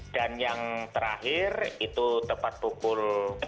dan yang terakhir itu tepat pukul empat dua puluh lima